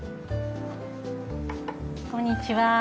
こんにちは。